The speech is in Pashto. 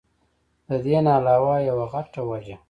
د دې نه علاوه يوه غټه وجه